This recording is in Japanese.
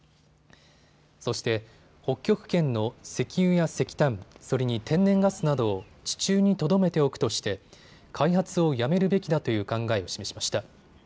そして北極圏の石油や石炭、それに天然ガスなどを地中にとどめておくとして開発をやめるべきだという考えを示しました。